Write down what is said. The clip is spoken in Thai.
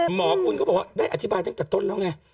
หมอบุญเขาบอกว่าได้อธิบายตั้งแต่ต้นแล้วไง